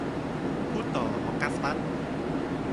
พูดต่อออกัสตัส